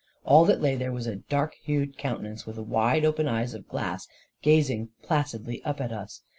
All that lay there was a dark hued countenance, with wide open eyes of glass gazing placidly up at us.